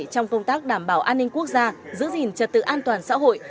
trong công tác đảm bảo an ninh quốc gia giữ gìn trật tự an toàn xã hội